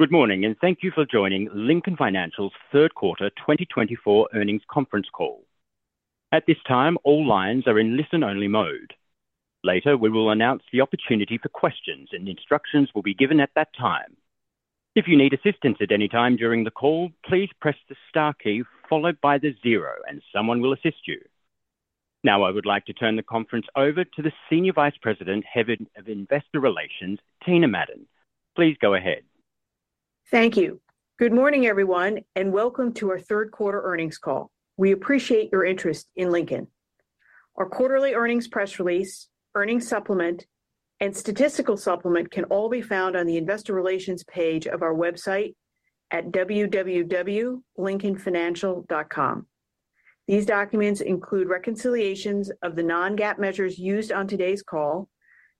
Good morning, and thank you for joining Lincoln Financial's third quarter 2024 earnings conference call. At this time, all lines are in listen-only mode. Later, we will announce the opportunity for questions, and instructions will be given at that time. If you need assistance at any time during the call, please press the star key followed by the zero, and someone will assist you. Now, I would like to turn the conference over to the Senior Vice President, Head of Investor Relations, Tina Madon. Please go ahead. Thank you. Good morning, everyone, and welcome to our third quarter earnings call. We appreciate your interest in Lincoln. Our quarterly earnings press release, earnings supplement, and statistical supplement can all be found on the Investor Relations page of our website at www.lincolnfinancial.com. These documents include reconciliations of the non-GAAP measures used on today's call,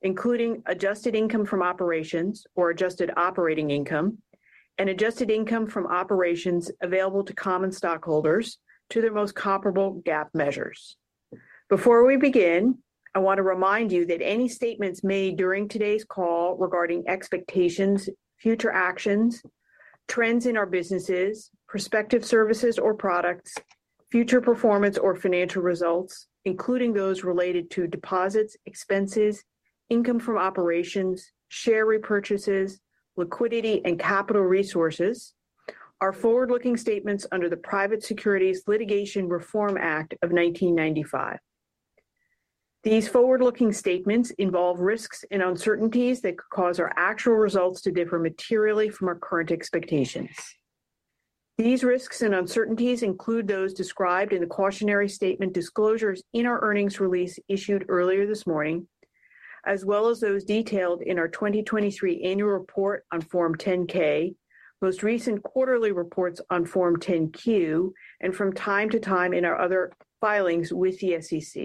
including adjusted income from operations, or adjusted operating income, and adjusted income from operations available to common stockholders to their most comparable GAAP measures. Before we begin, I want to remind you that any statements made during today's call regarding expectations, future actions, trends in our businesses, prospective services or products, future performance or financial results, including those related to deposits, expenses, income from operations, share repurchases, liquidity, and capital resources, are forward-looking statements under the Private Securities Litigation Reform Act of 1995. These forward-looking statements involve risks and uncertainties that could cause our actual results to differ materially from our current expectations. These risks and uncertainties include those described in the cautionary statement disclosures in our earnings release issued earlier this morning, as well as those detailed in our 2023 annual report on Form 10-K, most recent quarterly reports on Form 10-Q, and from time to time in our other filings with the SEC.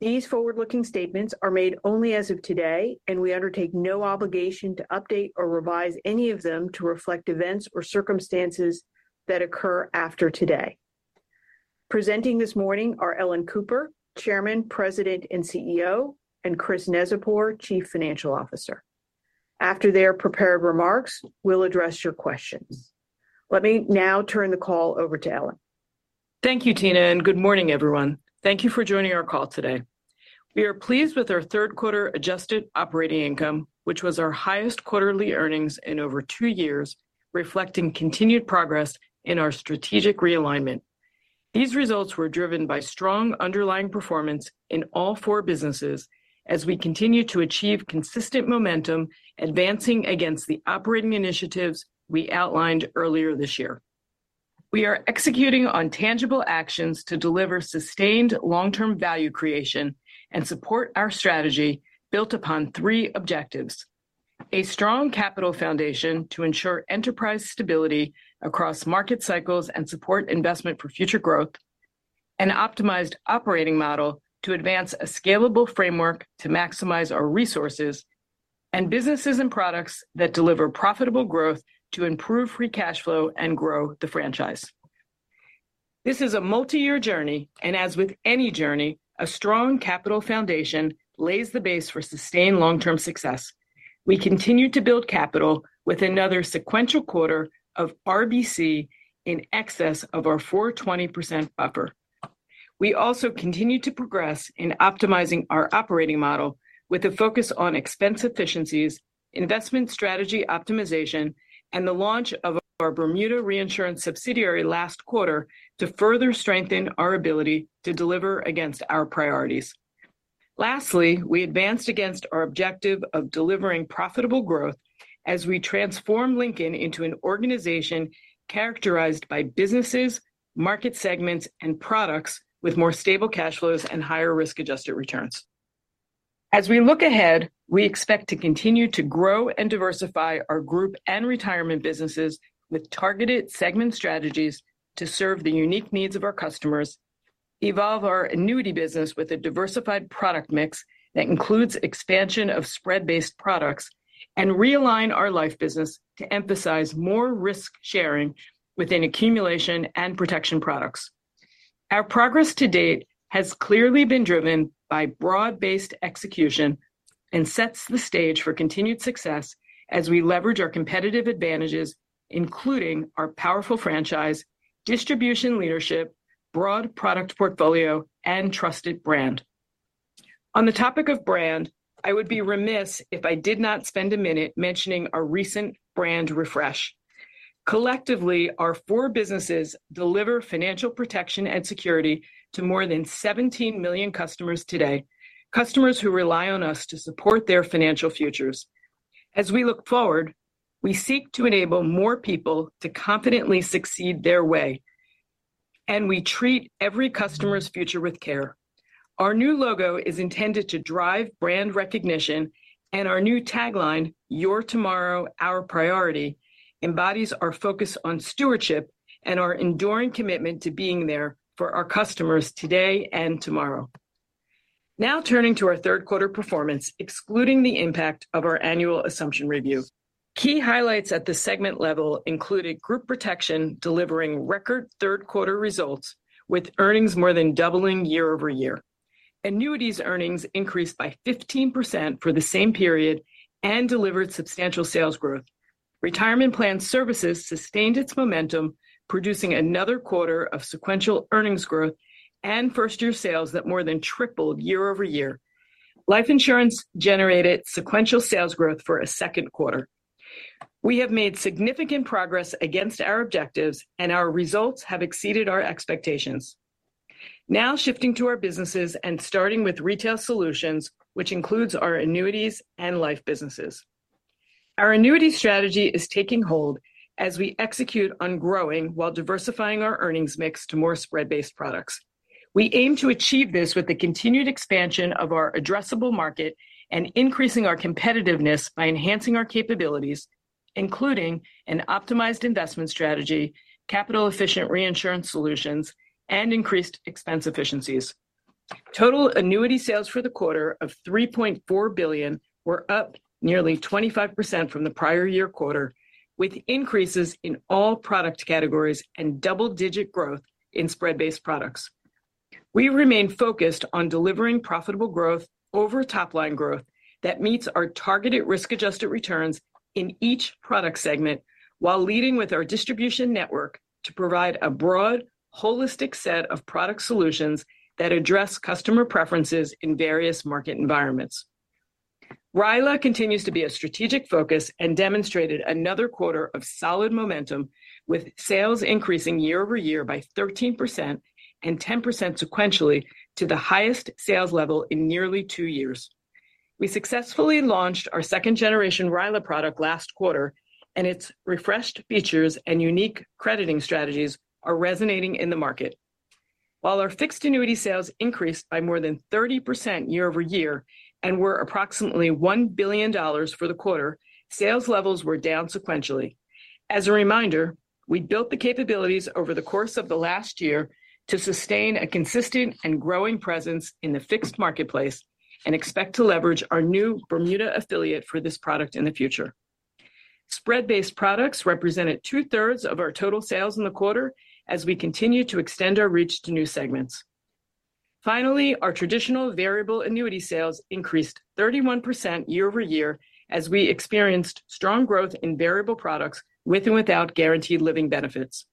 These forward-looking statements are made only as of today, and we undertake no obligation to update or revise any of them to reflect events or circumstances that occur after today. Presenting this morning are Ellen Cooper, Chairman, President, and CEO, and Chris Neczypor, Chief Financial Officer. After their prepared remarks, we'll address your questions. Let me now turn the call over to Ellen. Thank you, Tina, and good morning, everyone. Thank you for joining our call today. We are pleased with our third quarter adjusted operating income, which was our highest quarterly earnings in over two years, reflecting continued progress in our strategic realignment. These results were driven by strong underlying performance in all four businesses as we continue to achieve consistent momentum, advancing against the operating initiatives we outlined earlier this year. We are executing on tangible actions to deliver sustained long-term value creation and support our strategy built upon three objectives: a strong capital foundation to ensure enterprise stability across market cycles and support investment for future growth, an optimized operating model to advance a scalable framework to maximize our resources, and businesses and products that deliver profitable growth to improve free cash flow and grow the franchise. This is a multi-year journey, and as with any journey, a strong capital foundation lays the base for sustained long-term success. We continue to build capital with another sequential quarter of RBC in excess of our 420% buffer. We also continue to progress in optimizing our operating model with a focus on expense efficiencies, investment strategy optimization, and the launch of our Bermuda Reinsurance subsidiary last quarter to further strengthen our ability to deliver against our priorities. Lastly, we advanced against our objective of delivering profitable growth as we transform Lincoln into an organization characterized by businesses, market segments, and products with more stable cash flows and higher risk-adjusted returns. As we look ahead, we expect to continue to grow and diversify our group and retirement businesses with targeted segment strategies to serve the unique needs of our customers, evolve our annuity business with a diversified product mix that includes expansion of spread-based products, and realign our life business to emphasize more risk sharing within accumulation and protection products. Our progress to date has clearly been driven by broad-based execution and sets the stage for continued success as we leverage our competitive advantages, including our powerful franchise, distribution leadership, broad product portfolio, and trusted brand. On the topic of brand, I would be remiss if I did not spend a minute mentioning our recent brand refresh. Collectively, our four businesses deliver financial protection and security to more than 17 million customers today, customers who rely on us to support their financial futures. As we look forward, we seek to enable more people to confidently succeed their way, and we treat every customer's future with care. Our new logo is intended to drive brand recognition, and our new tagline, "Your Tomorrow, Our Priority," embodies our focus on stewardship and our enduring commitment to being there for our customers today and tomorrow. Now turning to our third quarter performance, excluding the impact of our annual assumption review, key highlights at the segment level included Group Protection delivering record third quarter results with earnings more than doubling year-over-year. Annuities earnings increased by 15% for the same period and delivered substantial sales growth. Retirement Plan Services sustained its momentum, producing another quarter of sequential earnings growth and first-year sales that more than tripled year-over-year. Life Insurance generated sequential sales growth for a second quarter. We have made significant progress against our objectives, and our results have exceeded our expectations. Now shifting to our businesses and starting with retail solutions, which includes our annuities and life businesses. Our annuity strategy is taking hold as we execute on growing while diversifying our earnings mix to more spread-based products. We aim to achieve this with the continued expansion of our addressable market and increasing our competitiveness by enhancing our capabilities, including an optimized investment strategy, capital-efficient reinsurance solutions, and increased expense efficiencies. Total annuity sales for the quarter of $3.4 billion were up nearly 25% from the prior year quarter, with increases in all product categories and double-digit growth in spread-based products. We remain focused on delivering profitable growth over top-line growth that meets our targeted risk-adjusted returns in each product segment while leading with our distribution network to provide a broad, holistic set of product solutions that address customer preferences in various market environments. RILA continues to be a strategic focus and demonstrated another quarter of solid momentum, with sales increasing year-over-year by 13% and 10% sequentially to the highest sales level in nearly two years. We successfully launched our second-generation RILA product last quarter, and its refreshed features and unique crediting strategies are resonating in the market. While our fixed annuity sales increased by more than 30% year-over-year and were approximately $1 billion for the quarter, sales levels were down sequentially. As a reminder, we built the capabilities over the course of the last year to sustain a consistent and growing presence in the fixed marketplace and expect to leverage our new Bermuda affiliate for this product in the future. Spread-based products represented two-thirds of our total sales in the quarter as we continue to extend our reach to new segments. Finally, our traditional variable annuity sales increased 31% year-over-year as we experienced strong growth in variable products with and without guaranteed living benefits.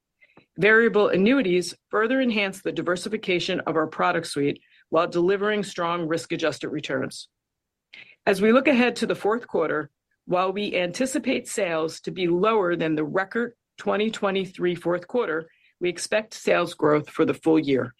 Variable annuities further enhanced the diversification of our product suite while delivering strong risk-adjusted returns. As we look ahead to the fourth quarter, while we anticipate sales to be lower than the record 2023 fourth quarter, we expect sales growth for the full year.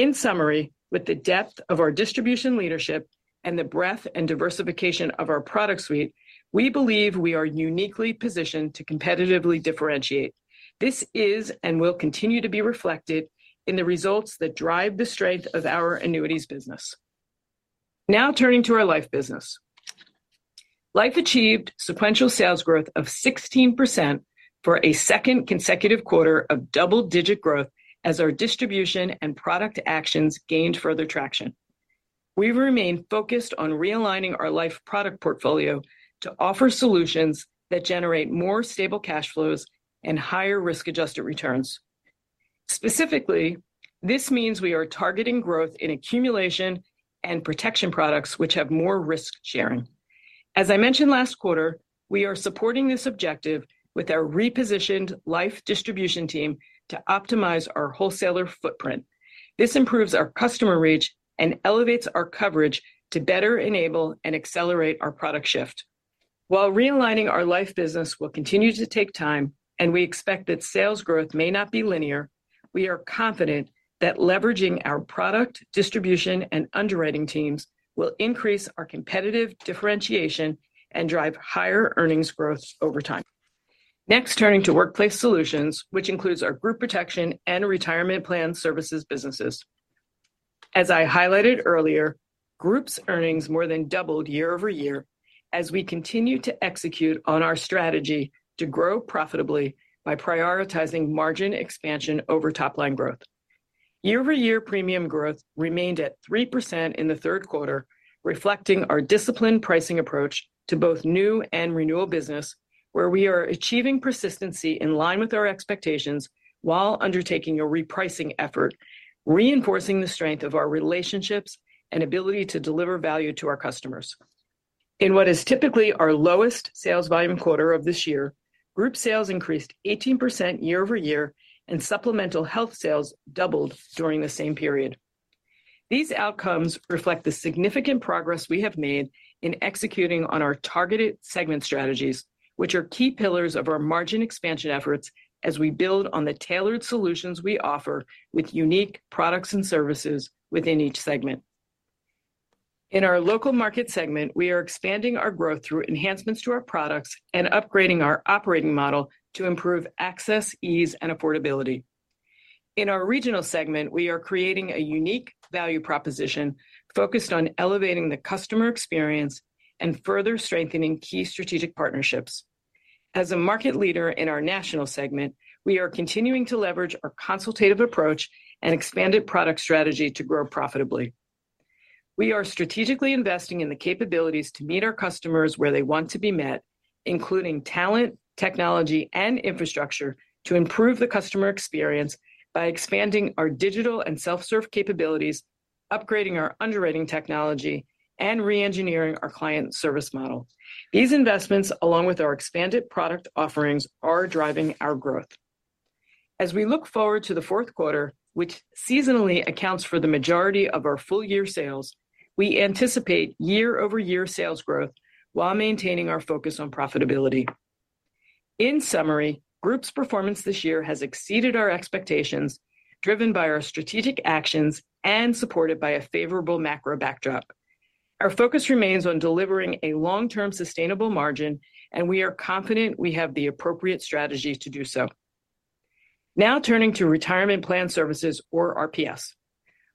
In summary, with the depth of our distribution leadership and the breadth and diversification of our product suite, we believe we are uniquely positioned to competitively differentiate. This is and will continue to be reflected in the results that drive the strength of our annuities business. Now turning to our life business. Life achieved sequential sales growth of 16% for a second consecutive quarter of double-digit growth as our distribution and product actions gained further traction. We remain focused on realigning our life product portfolio to offer solutions that generate more stable cash flows and higher risk-adjusted returns. Specifically, this means we are targeting growth in accumulation and protection products, which have more risk sharing. As I mentioned last quarter, we are supporting this objective with our repositioned life distribution team to optimize our wholesaler footprint. This improves our customer reach and elevates our coverage to better enable and accelerate our product shift. While realigning our life business will continue to take time, and we expect that sales growth may not be linear, we are confident that leveraging our product distribution and underwriting teams will increase our competitive differentiation and drive higher earnings growth over time. Next, turning to Workplace Solutions, which includes our Group Protection and retirement plan services businesses. As I highlighted earlier, Group's earnings more than doubled year-over-year as we continue to execute on our strategy to grow profitably by prioritizing margin expansion over top-line growth. Year-over-year premium growth remained at 3% in the third quarter, reflecting our disciplined pricing approach to both new and renewal business, where we are achieving persistency in line with our expectations while undertaking a repricing effort, reinforcing the strength of our relationships and ability to deliver value to our customers. In what is typically our lowest sales volume quarter of this year, group sales increased 18% year-over-year, and supplemental health sales doubled during the same period. These outcomes reflect the significant progress we have made in executing on our targeted segment strategies, which are key pillars of our margin expansion efforts as we build on the tailored solutions we offer with unique products and services within each segment. In our local market segment, we are expanding our growth through enhancements to our products and upgrading our operating model to improve access, ease, and affordability. In our regional segment, we are creating a unique value proposition focused on elevating the customer experience and further strengthening key strategic partnerships. As a market leader in our national segment, we are continuing to leverage our consultative approach and expanded product strategy to grow profitably. We are strategically investing in the capabilities to meet our customers where they want to be met, including talent, technology, and infrastructure to improve the customer experience by expanding our digital and self-serve capabilities, upgrading our underwriting technology, and re-engineering our client service model. These investments, along with our expanded product offerings, are driving our growth. As we look forward to the fourth quarter, which seasonally accounts for the majority of our full-year sales, we anticipate year-over-year sales growth while maintaining our focus on profitability. In summary, Group's performance this year has exceeded our expectations, driven by our strategic actions and supported by a favorable macro backdrop. Our focus remains on delivering a long-term sustainable margin, and we are confident we have the appropriate strategy to do so. Now turning to retirement plan services, or RPS.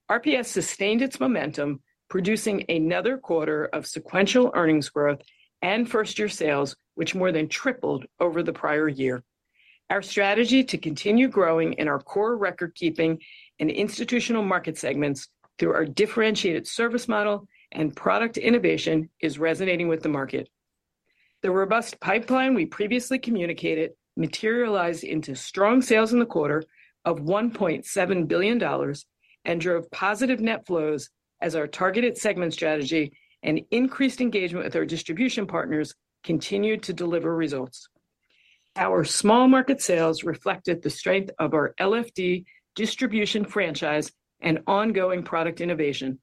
RPS sustained its momentum, producing another quarter of sequential earnings growth and first-year sales, which more than tripled over the prior year. Our strategy to continue growing in our core record-keeping and institutional market segments through our differentiated service model and product innovation is resonating with the market. The robust pipeline we previously communicated materialized into strong sales in the quarter of $1.7 billion and drove positive net flows as our targeted segment strategy and increased engagement with our distribution partners continued to deliver results. Our small market sales reflected the strength of our LFD distribution franchise and ongoing product innovation.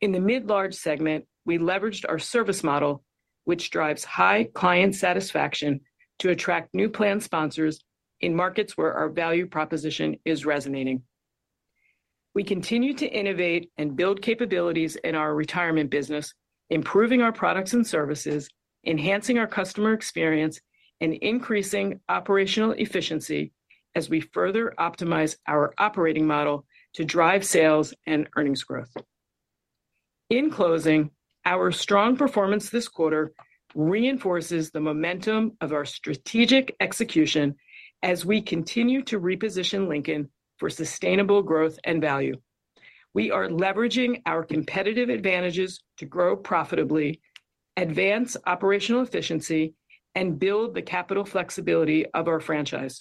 In the mid-large segment, we leveraged our service model, which drives high client satisfaction to attract new plan sponsors in markets where our value proposition is resonating. We continue to innovate and build capabilities in our retirement business, improving our products and services, enhancing our customer experience, and increasing operational efficiency as we further optimize our operating model to drive sales and earnings growth. In closing, our strong performance this quarter reinforces the momentum of our strategic execution as we continue to reposition Lincoln for sustainable growth and value. We are leveraging our competitive advantages to grow profitably, advance operational efficiency, and build the capital flexibility of our franchise.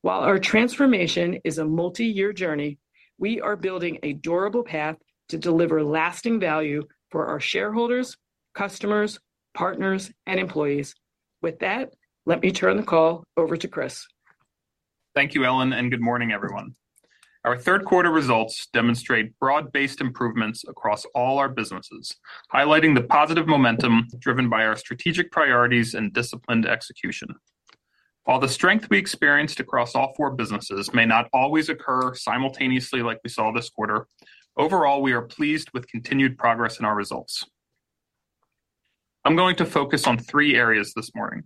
While our transformation is a multi-year journey, we are building a durable path to deliver lasting value for our shareholders, customers, partners, and employees. With that, let me turn the call over to Chris. Thank you, Ellen, and good morning, everyone. Our third quarter results demonstrate broad-based improvements across all our businesses, highlighting the positive momentum driven by our strategic priorities and disciplined execution. While the strength we experienced across all four businesses may not always occur simultaneously like we saw this quarter, overall, we are pleased with continued progress in our results. I'm going to focus on three areas this morning.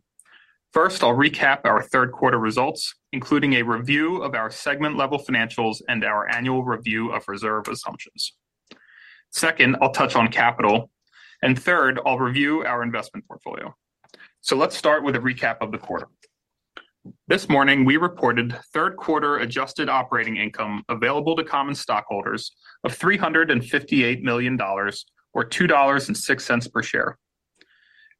First, I'll recap our third quarter results, including a review of our segment-level financials and our annual review of reserve assumptions. Second, I'll touch on capital. And third, I'll review our investment portfolio. So let's start with a recap of the quarter. This morning, we reported third-quarter adjusted operating income available to common stockholders of $358 million, or $2.06 per share.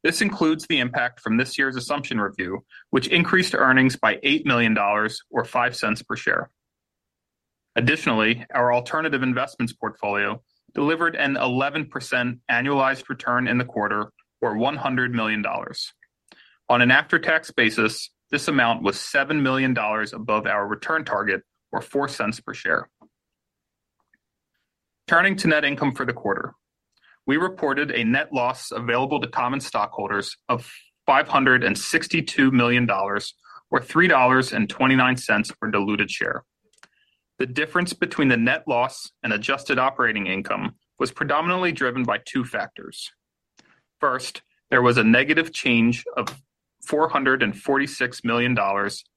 This includes the impact from this year's assumption review, which increased earnings by $8 million, or $0.05 per share. Additionally, our alternative investments portfolio delivered an 11% annualized return in the quarter, or $100 million. On an after-tax basis, this amount was $7 million above our return target, or $0.04 per share. Turning to net income for the quarter, we reported a net loss available to common stockholders of $562 million, or $3.29 per diluted share. The difference between the net loss and adjusted operating income was predominantly driven by two factors. First, there was a negative change of $446 million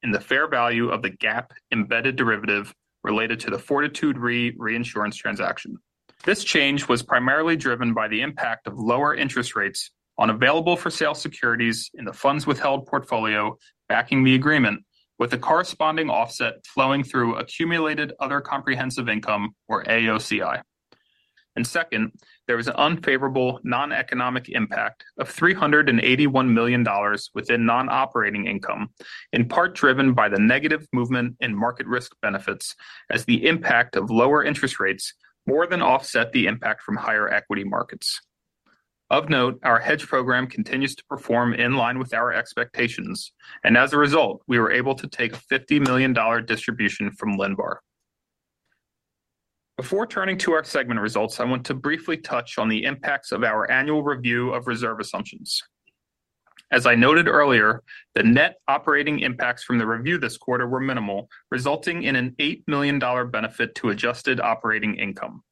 in the fair value of the GAAP embedded derivative related to the Fortitude Re reinsurance transaction. This change was primarily driven by the impact of lower interest rates on available for sale securities in the funds withheld portfolio backing the agreement, with the corresponding offset flowing through Accumulated Other Comprehensive Income, or AOCI, and second, there was an unfavorable non-economic impact of $381 million within non-operating income, in part driven by the negative movement in market risk benefits as the impact of lower interest rates more than offset the impact from higher equity markets. Of note, our hedge program continues to perform in line with our expectations, and as a result, we were able to take a $50 million distribution from Lindbar. Before turning to our segment results, I want to briefly touch on the impacts of our annual review of reserve assumptions. As I noted earlier, the net operating impacts from the review this quarter were minimal, resulting in an $8 million benefit to adjusted operating income.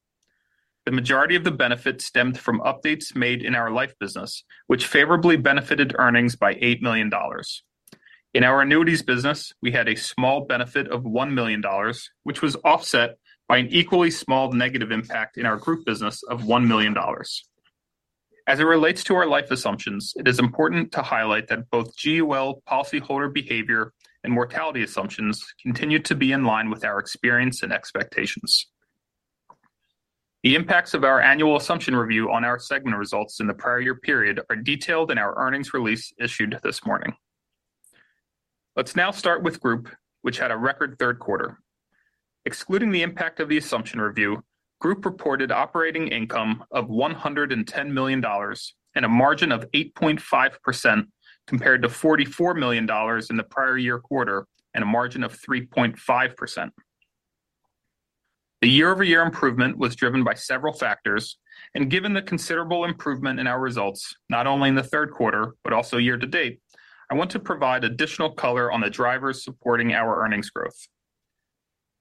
The majority of the benefit stemmed from updates made in our life business, which favorably benefited earnings by $8 million. In our annuities business, we had a small benefit of $1 million, which was offset by an equally small negative impact in our group business of $1 million. As it relates to our life assumptions, it is important to highlight that both GWEL policyholder behavior and mortality assumptions continue to be in line with our experience and expectations. The impacts of our annual assumption review on our segment results in the prior year period are detailed in our earnings release issued this morning. Let's now start with Group, which had a record third quarter. Excluding the impact of the assumption review, Group reported operating income of $110 million and a margin of 8.5% compared to $44 million in the prior year quarter and a margin of 3.5%. The year-over-year improvement was driven by several factors, and given the considerable improvement in our results not only in the third quarter, but also year to date, I want to provide additional color on the drivers supporting our earnings growth.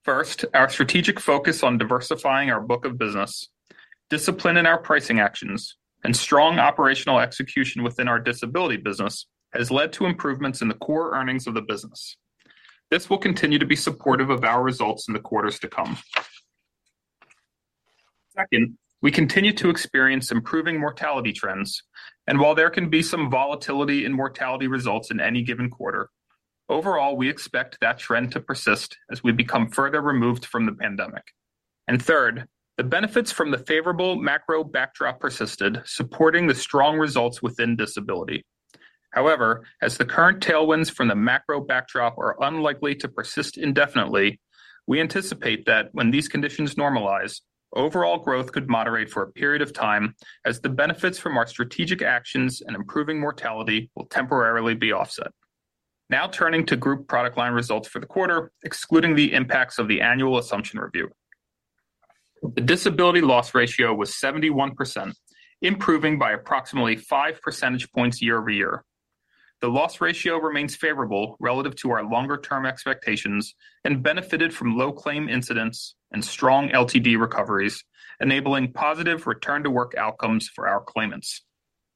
First, our strategic focus on diversifying our book of business, discipline in our pricing actions, and strong operational execution within our disability business has led to improvements in the core earnings of the business. This will continue to be supportive of our results in the quarters to come. Second, we continue to experience improving mortality trends, and while there can be some volatility in mortality results in any given quarter, overall, we expect that trend to persist as we become further removed from the pandemic, and third, the benefits from the favorable macro backdrop persisted, supporting the strong results within disability. However, as the current tailwinds from the macro backdrop are unlikely to persist indefinitely, we anticipate that when these conditions normalize, overall growth could moderate for a period of time as the benefits from our strategic actions and improving mortality will temporarily be offset. Now turning to Group product line results for the quarter, excluding the impacts of the annual assumption review. The disability loss ratio was 71%, improving by approximately five percentage points year-over-year. The loss ratio remains favorable relative to our longer-term expectations and benefited from low claim incidents and strong LTD recoveries, enabling positive return-to-work outcomes for our claimants.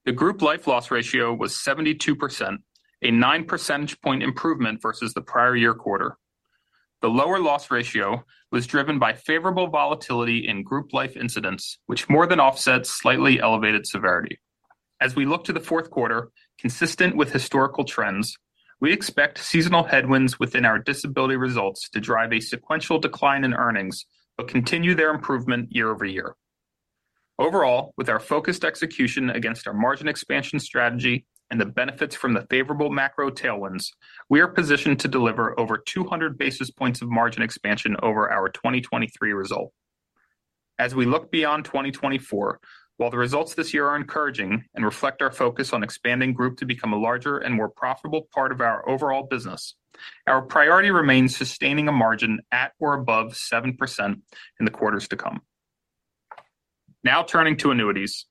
The group life loss ratio was 72%, a nine percentage point improvement versus the prior year quarter. The lower loss ratio was driven by favorable volatility in group life incidents, which more than offsets slightly elevated severity. As we look to the fourth quarter, consistent with historical trends, we expect seasonal headwinds within our disability results to drive a sequential decline in earnings but continue their improvement year-over-year. Overall, with our focused execution against our margin expansion strategy and the benefits from the favorable macro tailwinds, we are positioned to deliver over 200 basis points of margin expansion over our 2023 result. As we look beyond 2024, while the results this year are encouraging and reflect our focus on expanding Group to become a larger and more profitable part of our overall business, our priority remains sustaining a margin at or above 7% in the quarters to come. Now turning to annuities.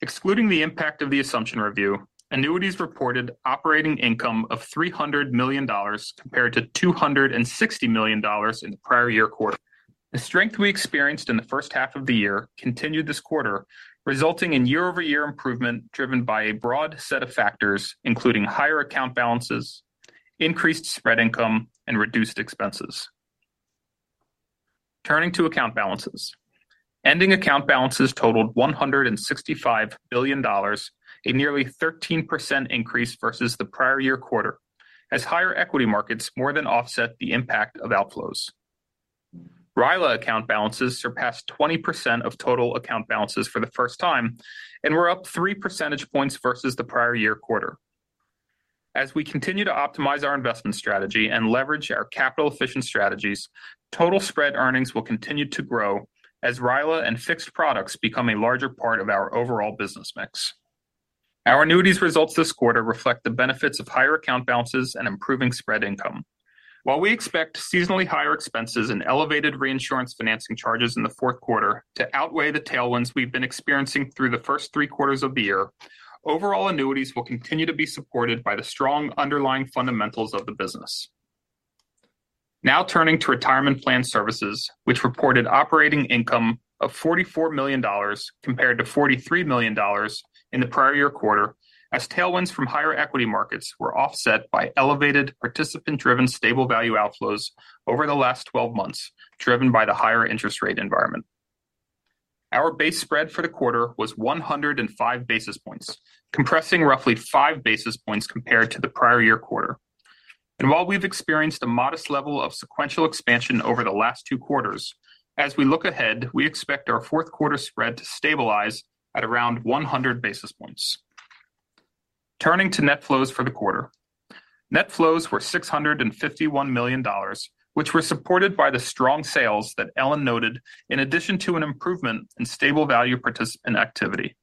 Excluding the impact of the assumption review, annuities reported operating income of $300 million compared to $260 million in the prior year quarter. The strength we experienced in the first half of the year continued this quarter, resulting in year-over-year improvement driven by a broad set of factors, including higher account balances, increased spread income, and reduced expenses. Turning to account balances. Ending account balances totaled $165 billion, a nearly 13% increase versus the prior year quarter, as higher equity markets more than offset the impact of outflows. RILA account balances surpassed 20% of total account balances for the first time and were up three percentage points versus the prior year quarter. As we continue to optimize our investment strategy and leverage our capital-efficient strategies, total spread earnings will continue to grow as RILA and fixed products become a larger part of our overall business mix. Our annuities results this quarter reflect the benefits of higher account balances and improving spread income. While we expect seasonally higher expenses and elevated reinsurance financing charges in the fourth quarter to outweigh the tailwinds we've been experiencing through the first three quarters of the year, overall annuities will continue to be supported by the strong underlying fundamentals of the business. Now turning to retirement plan services, which reported operating income of $44 million compared to $43 million in the prior year quarter, as tailwinds from higher equity markets were offset by elevated participant-driven stable value outflows over the last 12 months, driven by the higher interest rate environment. Our base spread for the quarter was 105 basis points, compressing roughly five basis points compared to the prior year quarter, and while we've experienced a modest level of sequential expansion over the last two quarters, as we look ahead, we expect our fourth quarter spread to stabilize at around 100 basis points. Turning to net flows for the quarter. Net flows were $651 million, which were supported by the strong sales that Ellen noted, in addition to an improvement in stable value participant activity.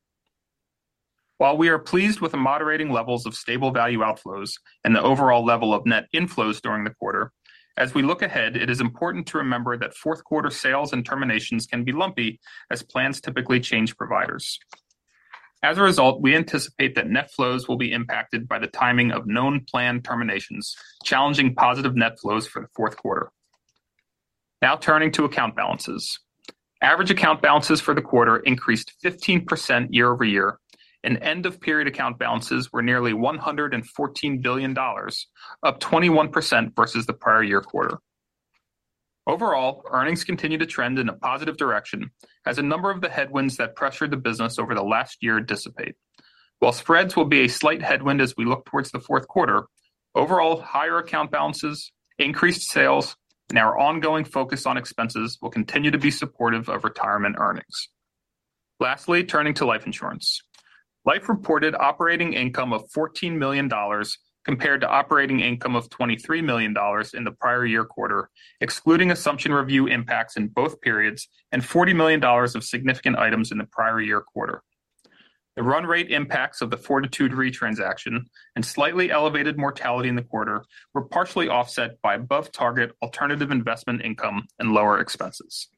While we are pleased with the moderating levels of Stable Value outflows and the overall level of net inflows during the quarter, as we look ahead, it is important to remember that fourth quarter sales and terminations can be lumpy as plans typically change providers. As a result, we anticipate that net flows will be impacted by the timing of known planned terminations, challenging positive net flows for the fourth quarter. Now turning to account balances. Average account balances for the quarter increased 15% year-over-year, and end-of-period account balances were nearly $114 billion, up 21% versus the prior year quarter. Overall, earnings continue to trend in a positive direction as a number of the headwinds that pressured the business over the last year dissipate. While spreads will be a slight headwind as we look towards the fourth quarter, overall higher account balances, increased sales, and our ongoing focus on expenses will continue to be supportive of retirement earnings. Lastly, turning to life insurance. Life reported operating income of $14 million compared to operating income of $23 million in the prior year quarter, excluding assumption review impacts in both periods and $40 million of significant items in the prior year quarter. The run rate impacts of the Fortitude Re transaction and slightly elevated mortality in the quarter were partially offset by above-target alternative investment income and lower expenses.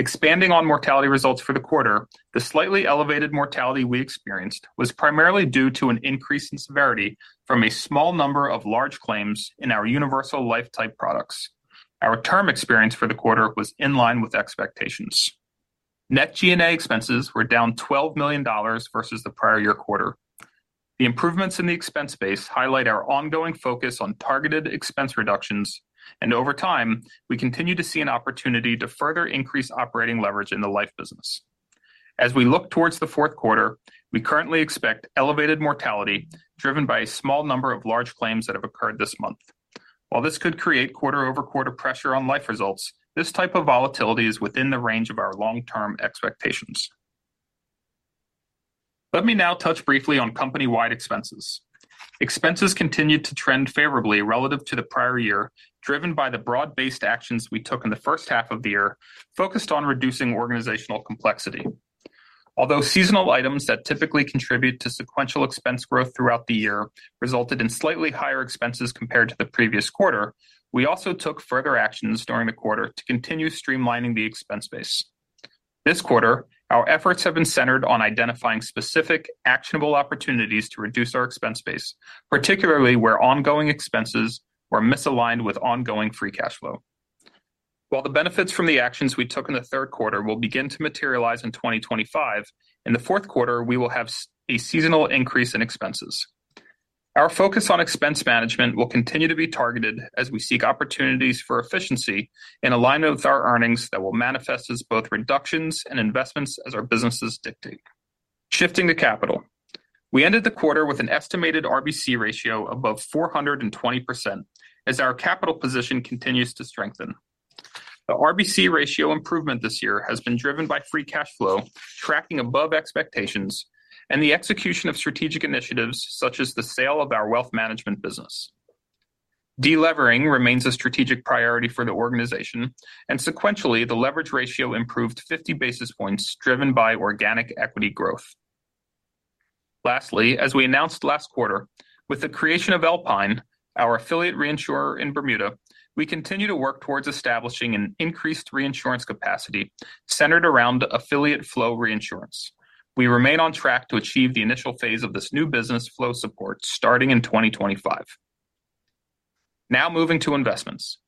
Expanding on mortality results for the quarter, the slightly elevated mortality we experienced was primarily due to an increase in severity from a small number of large claims in our universal life type products. Our term experience for the quarter was in line with expectations. Net G&A expenses were down $12 million versus the prior year quarter. The improvements in the expense base highlight our ongoing focus on targeted expense reductions, and over time, we continue to see an opportunity to further increase operating leverage in the life business. As we look towards the fourth quarter, we currently expect elevated mortality driven by a small number of large claims that have occurred this month. While this could create quarter-over-quarter pressure on life results, this type of volatility is within the range of our long-term expectations. Let me now touch briefly on company-wide expenses. Expenses continued to trend favorably relative to the prior year, driven by the broad-based actions we took in the first half of the year, focused on reducing organizational complexity. Although seasonal items that typically contribute to sequential expense growth throughout the year resulted in slightly higher expenses compared to the previous quarter, we also took further actions during the quarter to continue streamlining the expense base. This quarter, our efforts have been centered on identifying specific, actionable opportunities to reduce our expense base, particularly where ongoing expenses were misaligned with ongoing free cash flow. While the benefits from the actions we took in the third quarter will begin to materialize in 2025, in the fourth quarter, we will have a seasonal increase in expenses. Our focus on expense management will continue to be targeted as we seek opportunities for efficiency in alignment with our earnings that will manifest as both reductions and investments as our businesses dictate. Shifting to capital. We ended the quarter with an estimated RBC ratio above 420% as our capital position continues to strengthen. The RBC ratio improvement this year has been driven by free cash flow, tracking above expectations, and the execution of strategic initiatives such as the sale of our wealth management business. Delevering remains a strategic priority for the organization, and sequentially, the leverage ratio improved 50 basis points driven by organic equity growth. Lastly, as we announced last quarter, with the creation of Alpine, our affiliate reinsurer in Bermuda, we continue to work towards establishing an increased reinsurance capacity centered around affiliate flow reinsurance. We remain on track to achieve the initial phase of this new business flow support starting in 2025. Now moving to investments.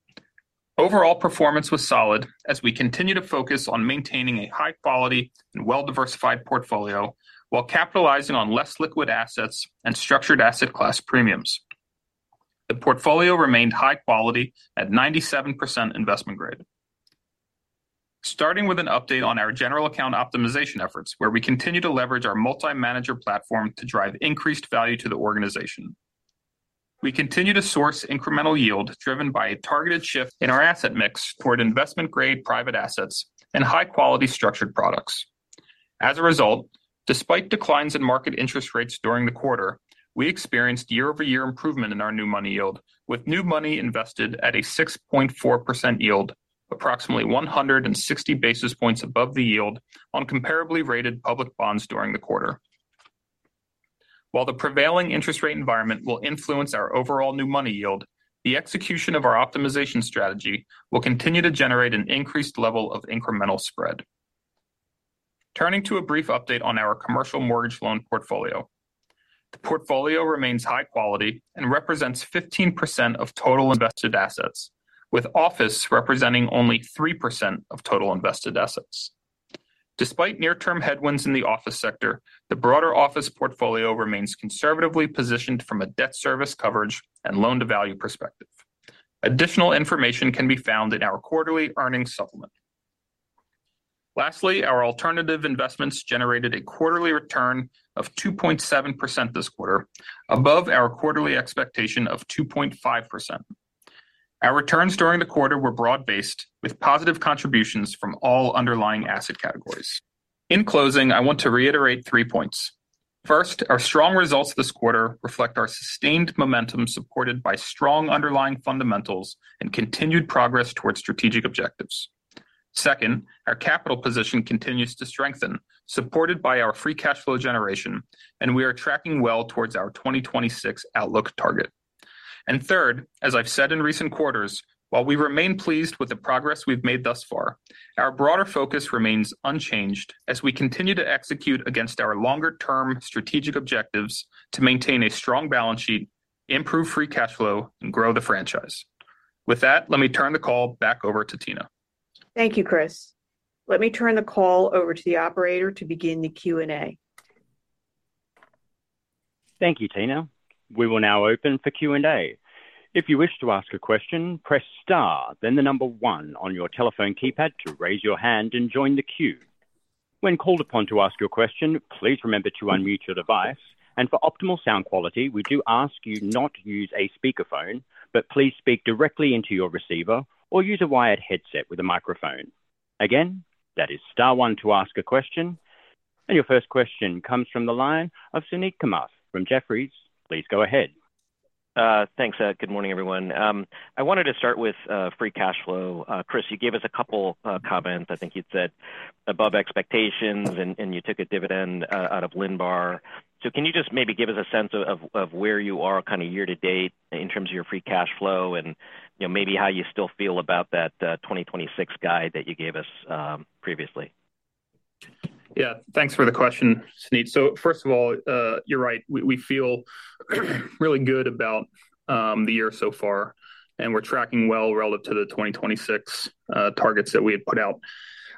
Overall performance was solid as we continue to focus on maintaining a high-quality and well-diversified portfolio while capitalizing on less liquid assets and structured asset class premiums. The portfolio remained high quality at 97% investment grade. Starting with an update on our general account optimization efforts, where we continue to leverage our multi-manager platform to drive increased value to the organization. We continue to source incremental yield driven by a targeted shift in our asset mix toward investment-grade private assets and high-quality structured products. As a result, despite declines in market interest rates during the quarter, we experienced year-over-year improvement in our new money yield, with new money invested at a 6.4% yield, approximately 160 basis points above the yield on comparably rated public bonds during the quarter. While the prevailing interest rate environment will influence our overall new money yield, the execution of our optimization strategy will continue to generate an increased level of incremental spread. Turning to a brief update on our commercial mortgage loan portfolio. The portfolio remains high quality and represents 15% of total invested assets, with office representing only 3% of total invested assets. Despite near-term headwinds in the office sector, the broader office portfolio remains conservatively positioned from a debt service coverage and loan-to-value perspective. Additional information can be found in our quarterly earnings supplement. Lastly, our alternative investments generated a quarterly return of 2.7% this quarter, above our quarterly expectation of 2.5%. Our returns during the quarter were broad-based, with positive contributions from all underlying asset categories. In closing, I want to reiterate three points. First, our strong results this quarter reflect our sustained momentum supported by strong underlying fundamentals and continued progress towards strategic objectives. Second, our capital position continues to strengthen, supported by our free cash flow generation, and we are tracking well towards our 2026 outlook target. And third, as I've said in recent quarters, while we remain pleased with the progress we've made thus far, our broader focus remains unchanged as we continue to execute against our longer-term strategic objectives to maintain a strong balance sheet, improve free cash flow, and grow the franchise. With that, let me turn the call back over to Tina. Thank you, Chris. Let me turn the call over to the operator to begin the Q&A. Thank you, Tina. We will now open for Q&A. If you wish to ask a question, press star, then the number one on your telephone keypad to raise your hand and join the queue. When called upon to ask your question, please remember to unmute your device. And for optimal sound quality, we do ask you not to use a speakerphone, but please speak directly into your receiver or use a wired headset with a microphone. Again, that is star one to ask a question. And your first question comes from the line of Suneet Kamath from Jefferies. Please go ahead. Thanks. Good morning, everyone. I wanted to start with free cash flow. Chris, you gave us a couple of comments. I think you'd said above expectations, and you took a dividend out of Lindbar. So can you just maybe give us a sense of where you are kind of year to date in terms of your free cash flow and maybe how you still feel about that 2026 guide that you gave us previously? Yeah, thanks for the question, Suneet. So first of all, you're right. We feel really good about the year so far, and we're tracking well relative to the 2026 targets that we had put out.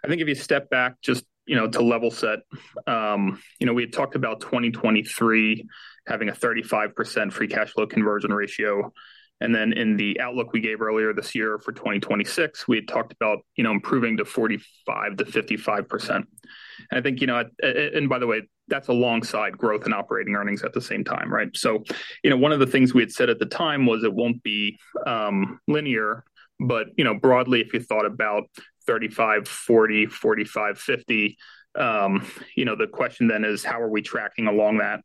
I think if you step back just to level set, we had talked about 2023 having a 35% free cash flow conversion ratio. And then in the outlook we gave earlier this year for 2026, we had talked about improving to 45%-55%. And I think, and by the way, that's alongside growth and operating earnings at the same time, right? So one of the things we had said at the time was it won't be linear, but broadly, if you thought about 35%, 40%, 45%, 50%, the question then is, how are we tracking along that?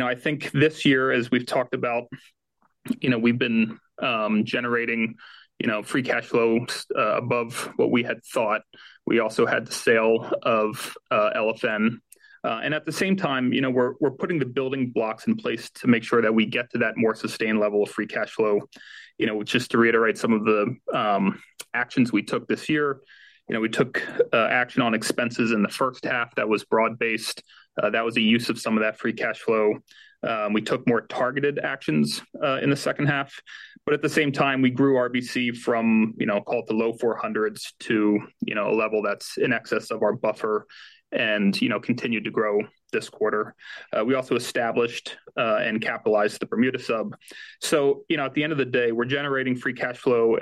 I think this year, as we've talked about, we've been generating free cash flow above what we had thought. We also had the sale of LFN. And at the same time, we're putting the building blocks in place to make sure that we get to that more sustained level of free cash flow. Just to reiterate some of the actions we took this year, we took action on expenses in the first half that was broad-based. That was a use of some of that free cash flow. We took more targeted actions in the second half. But at the same time, we grew RBC from, I'll call it the low 400s to a level that's in excess of our buffer and continued to grow this quarter. We also established and capitalized the Bermuda sub. So at the end of the day, we're generating free cash flow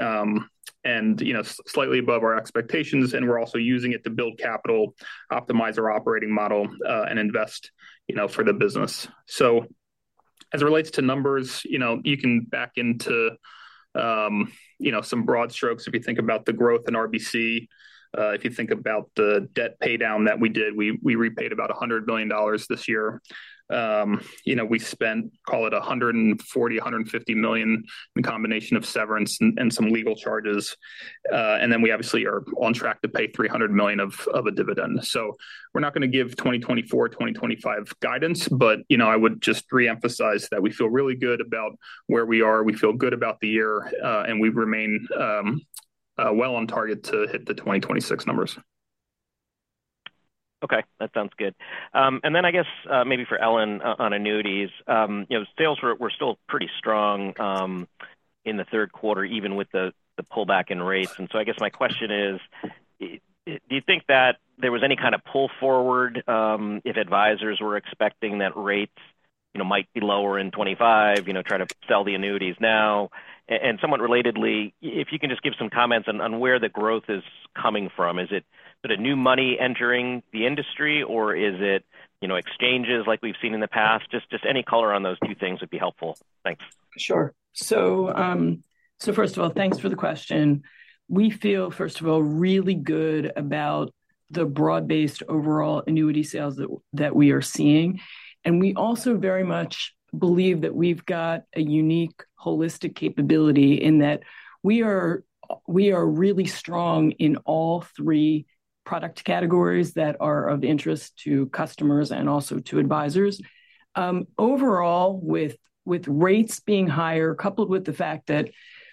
and slightly above our expectations, and we're also using it to build capital, optimize our operating model, and invest for the business. So as it relates to numbers, you can back into some broad strokes if you think about the growth in RBC. If you think about the debt paydown that we did, we repaid about $100 million this year. We spent, call it $140-$150 million in combination of severance and some legal charges. And then we obviously are on track to pay $300 million of a dividend. So we're not going to give 2024, 2025 guidance, but I would just reemphasize that we feel really good about where we are. We feel good about the year, and we remain well on target to hit the 2026 numbers. Okay, that sounds good. And then I guess maybe for Ellen on annuities, sales were still pretty strong in the third quarter, even with the pullback in rates. And so I guess my question is, do you think that there was any kind of pull forward if advisors were expecting that rates might be lower in 2025, trying to sell the annuities now? And somewhat relatedly, if you can just give some comments on where the growth is coming from. Is it sort of new money entering the industry, or is it exchanges like we've seen in the past? Just any color on those two things would be helpful. Thanks. Sure. So first of all, thanks for the question. We feel, first of all, really good about the broad-based overall annuity sales that we are seeing. And we also very much believe that we've got a unique holistic capability in that we are really strong in all three product categories that are of interest to customers and also to advisors. Overall, with rates being higher, coupled with the fact that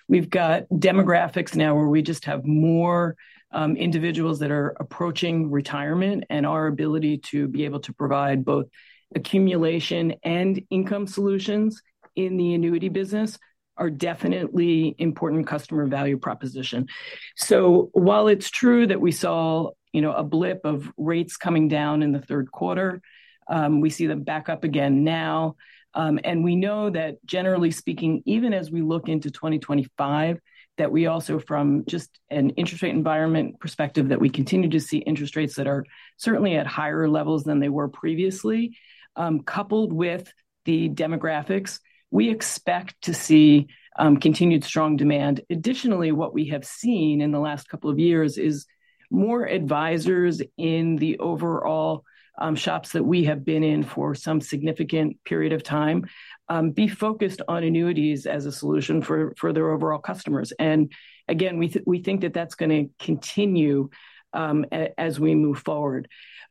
we've got demographics now where we just have more individuals that are approaching retirement, and our ability to be able to provide both accumulation and income solutions in the annuity business are definitely important customer value proposition. So while it's true that we saw a blip of rates coming down in the third quarter, we see them back up again now. And we know that, generally speaking, even as we look into 2025, that we also, from just an interest rate environment perspective, that we continue to see interest rates that are certainly at higher levels than they were previously. Coupled with the demographics, we expect to see continued strong demand. Additionally, what we have seen in the last couple of years is more advisors in the overall shops that we have been in for some significant period of time be focused on annuities as a solution for their overall customers. And again, we think that that's going to continue as we move forward.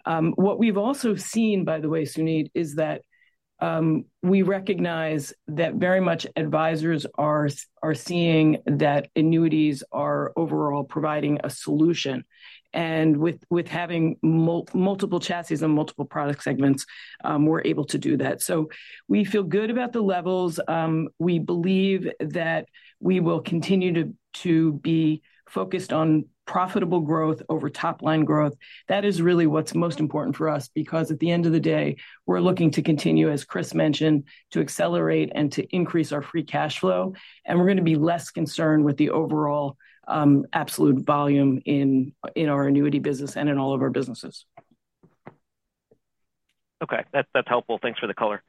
What we've also seen, by the way, Suneet, is that we recognize that very much advisors are seeing that annuities are overall providing a solution. And with having multiple chassis and multiple product segments, we're able to do that. So we feel good about the levels. We believe that we will continue to be focused on profitable growth over top-line growth. That is really what's most important for us because at the end of the day, we're looking to continue, as Chris mentioned, to accelerate and to increase our free cash flow. And we're going to be less concerned with the overall absolute volume in our annuity business and in all of our businesses. Okay, that's helpful. Thanks for the color.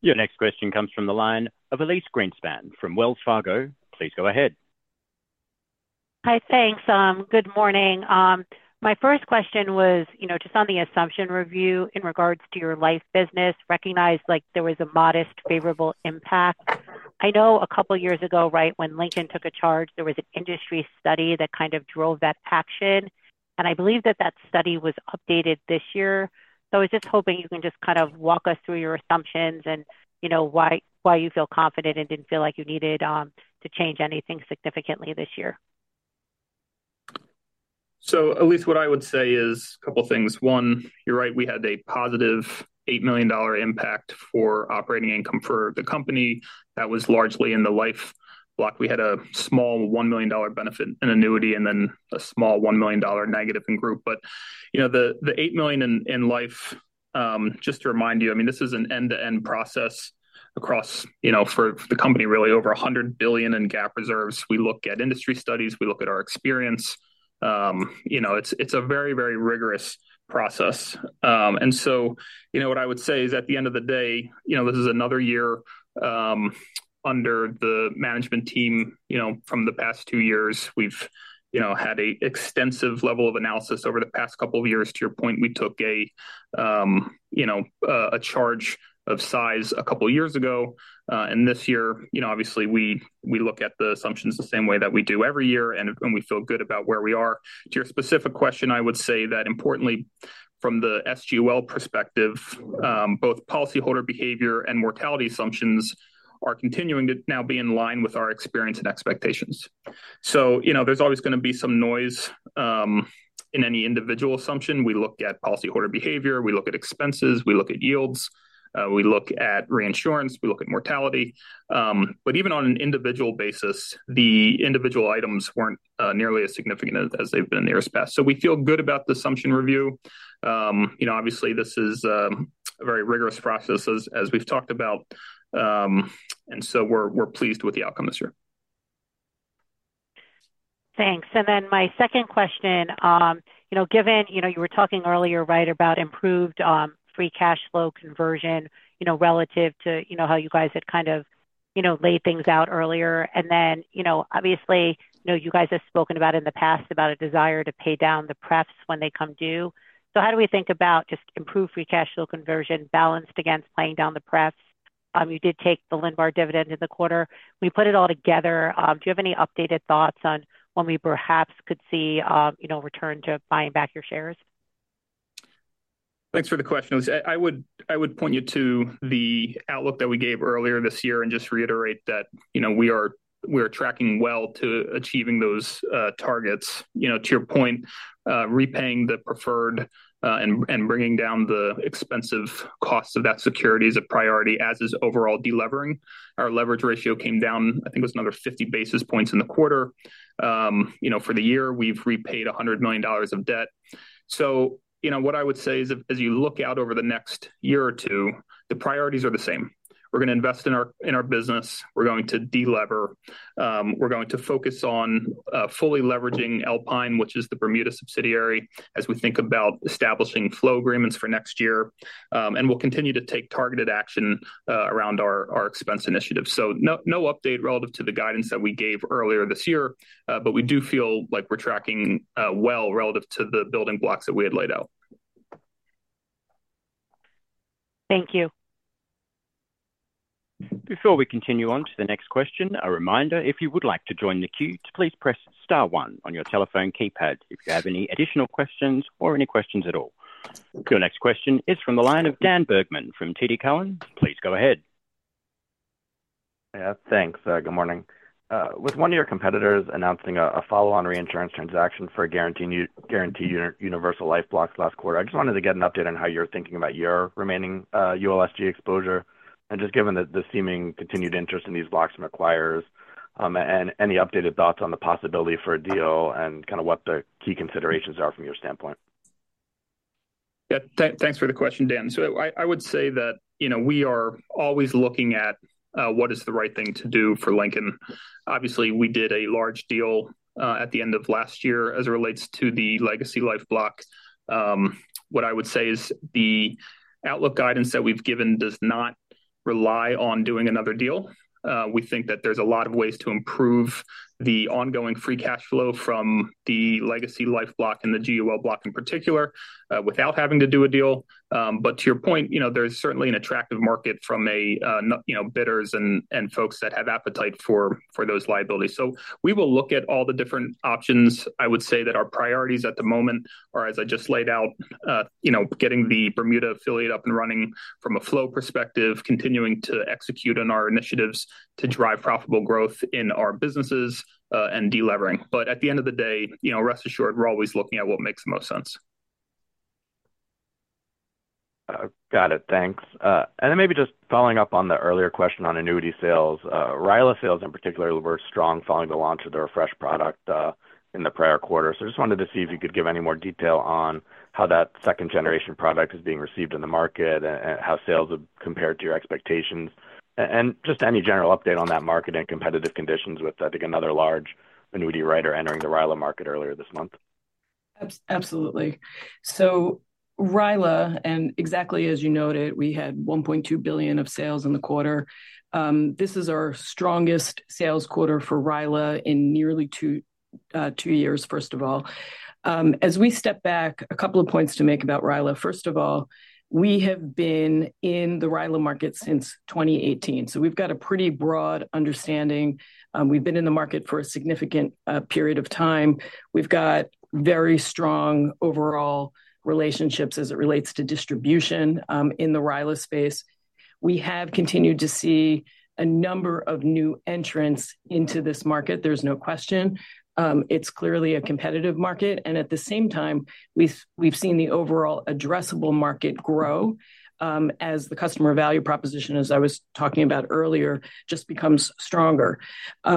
Your next question comes from the line of Elyse Greenspan from Wells Fargo. Please go ahead. Hi, thanks. Good morning. My first question was just on the assumption review in regards to your life business, recognized there was a modest favorable impact. I know a couple of years ago, right, when Lincoln took a charge, there was an industry study that kind of drove that action. And I believe that that study was updated this year. So I was just hoping you can just kind of walk us through your assumptions and why you feel confident and didn't feel like you needed to change anything significantly this year. So Elyse, what I would say is a couple of things. One, you're right, we had a positive $8 million impact for operating income for the company. That was largely in the life block. We had a small $1 million benefit in annuity and then a small $1 million negative in group. But the $8 million in life, just to remind you, I mean, this is an end-to-end process across for the company, really, over $100 billion in GAAP reserves. We look at industry studies. We look at our experience. It's a very, very rigorous process. And so what I would say is at the end of the day, this is another year under the management team from the past two years. We've had an extensive level of analysis over the past couple of years. To your point, we took a charge of size a couple of years ago. This year, obviously, we look at the assumptions the same way that we do every year, and we feel good about where we are. To your specific question, I would say that importantly, from the SGUL perspective, both policyholder behavior and mortality assumptions are continuing to now be in line with our experience and expectations. So there's always going to be some noise in any individual assumption. We look at policyholder behavior. We look at expenses. We look at yields. We look at reinsurance. We look at mortality. But even on an individual basis, the individual items weren't nearly as significant as they've been in the year's past. So we feel good about the assumption review. Obviously, this is a very rigorous process, as we've talked about. So we're pleased with the outcome this year. Thanks. And then my second question, given you were talking earlier, right, about improved free cash flow conversion relative to how you guys had kind of laid things out earlier. And then obviously, you guys have spoken about in the past about a desire to pay down the debt when it comes due. So how do we think about just improved free cash flow conversion balanced against paying down the debt? You did take the Lindbar dividend in the quarter. We put it all together. Do you have any updated thoughts on when we perhaps could see return to buying back your shares? Thanks for the question. I would point you to the outlook that we gave earlier this year and just reiterate that we are tracking well to achieving those targets. To your point, repaying the preferred and bringing down the expensive cost of that security is a priority, as is overall delevering. Our leverage ratio came down, I think it was another 50 basis points in the quarter. For the year, we've repaid $100 million of debt. So what I would say is, as you look out over the next year or two, the priorities are the same. We're going to invest in our business. We're going to delever. We're going to focus on fully leveraging Alpine, which is the Bermuda subsidiary, as we think about establishing flow agreements for next year. And we'll continue to take targeted action around our expense initiative. So no update relative to the guidance that we gave earlier this year, but we do feel like we're tracking well relative to the building blocks that we had laid out. Thank you. Before we continue on to the next question, a reminder, if you would like to join the queue, please press star one on your telephone keypad if you have any additional questions or any questions at all. Your next question is from the line of Dan Bergman from TD Cowen. Please go ahead. Yeah, thanks. Good morning. With one of your competitors announcing a follow-on reinsurance transaction for a guaranteed universal life block last quarter, I just wanted to get an update on how you're thinking about your remaining ULSG exposure. And just given the seeming continued interest in these blocks and acquirers, and any updated thoughts on the possibility for a deal and kind of what the key considerations are from your standpoint. Yeah, thanks for the question, Dan. So I would say that we are always looking at what is the right thing to do for Lincoln. Obviously, we did a large deal at the end of last year as it relates to the legacy life block. What I would say is the outlook guidance that we've given does not rely on doing another deal. We think that there's a lot of ways to improve the ongoing free cash flow from the legacy life block and the GUL block in particular without having to do a deal. But to your point, there's certainly an attractive market from bidders and folks that have appetite for those liabilities. So we will look at all the different options. I would say that our priorities at the moment are, as I just laid out, getting the Bermuda affiliate up and running from a flow perspective, continuing to execute on our initiatives to drive profitable growth in our businesses and delevering. But at the end of the day, rest assured, we're always looking at what makes the most sense. Got it. Thanks. And then maybe just following up on the earlier question on annuity sales, RILA sales, in particular, were strong following the launch of the refresh product in the prior quarter. So I just wanted to see if you could give any more detail on how that second-generation product is being received in the market and how sales have compared to your expectations. And just any general update on that market and competitive conditions with, I think, another large annuity writer entering the RILA market earlier this month. Absolutely. So RILA, and exactly as you noted, we had $1.2 billion of sales in the quarter. This is our strongest sales quarter for RILA in nearly two years, first of all. As we step back, a couple of points to make about RILA. First of all, we have been in the RILA market since 2018. So we've got a pretty broad understanding. We've been in the market for a significant period of time. We've got very strong overall relationships as it relates to distribution in the RILA space. We have continued to see a number of new entrants into this market. There's no question. It's clearly a competitive market. And at the same time, we've seen the overall addressable market grow as the customer value proposition, as I was talking about earlier, just becomes stronger.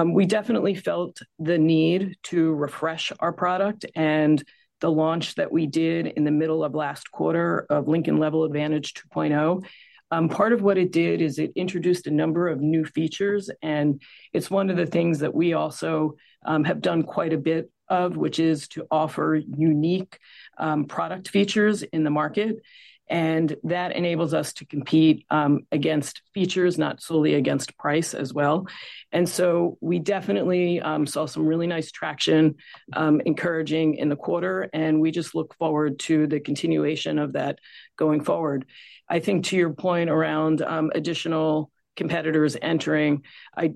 We definitely felt the need to refresh our product and the launch that we did in the middle of last quarter of Lincoln Level Advantage 2.0. Part of what it did is it introduced a number of new features. It's one of the things that we also have done quite a bit of, which is to offer unique product features in the market. That enables us to compete against features, not solely against price as well. So we definitely saw some really nice traction encouraging in the quarter. We just look forward to the continuation of that going forward. I think to your point around additional competitors entering,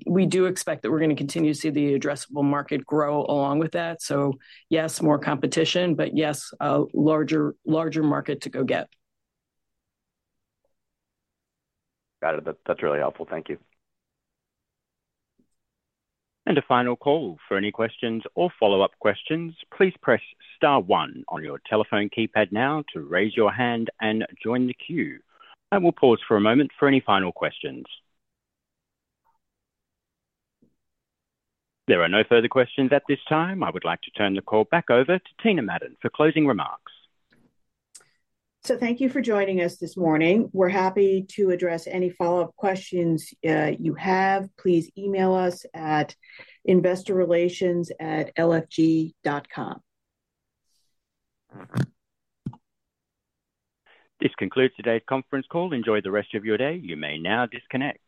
we do expect that we're going to continue to see the addressable market grow along with that. Yes, more competition, but yes, a larger market to go get. Got it. That's really helpful. Thank you. And a final call. For any questions or follow-up questions, please press star one on your telephone keypad now to raise your hand and join the queue. We'll pause for a moment for any final questions. There are no further questions at this time. I would like to turn the call back over to Tina Madon for closing remarks. So thank you for joining us this morning. We're happy to address any follow-up questions you have. Please email us at investorrelations@lfg.com. This concludes today's conference call. Enjoy the rest of your day. You may now disconnect.